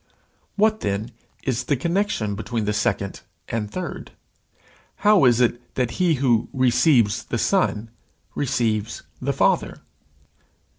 What, then, is the connection between the second and third? How is it that he who receives the Son receives the Father?